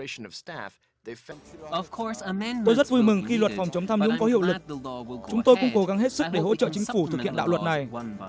tôi rất vui rất vui mừng khi luật phòng chống tham nhũng có hiệu lực chúng tôi cũng cố gắng hết sức để hỗ trợ chính phủ thực hiện đạo luật này